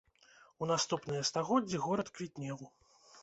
У наступныя стагоддзі горад квітнеў.